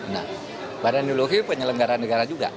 nah badan ideologi penyelenggara negara juga